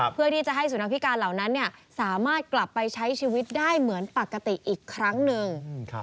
เพื่อที่จะให้สุนัขพิการเหล่านั้นสามารถกลับไปใช้ชีวิตได้เหมือนปกติอีกครั้งหนึ่ง